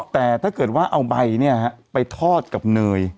แต่ถ้าเกิดว่าเอาใบไปทอดกับเนย